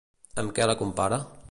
Amb què la compara?